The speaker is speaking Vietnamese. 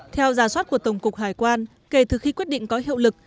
theo giả soát của tổng cục hải quan kể từ khi quyết định có hiệu lực